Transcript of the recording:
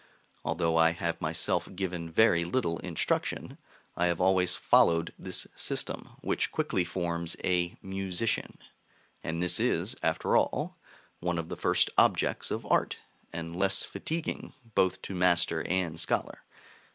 Although I have myself given very little instruction, I have always followed this system, which quickly forms a musician; and this is, after all, one of the first objects of art, and less fatiguing both to master and scholar.